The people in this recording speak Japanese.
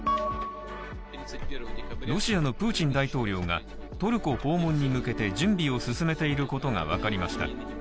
ロシアのプーチン大統領がトルコ訪問に向けて準備を進めていることがわかりました